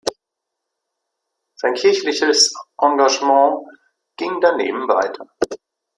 Sein kirchliches Engagement ging daneben weiter.